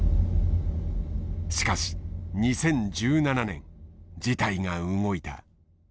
しかし２０１７年事態が動いた。